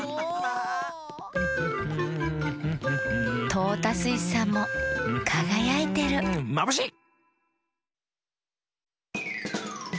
トータスイスさんもかがやいてるまぶしい！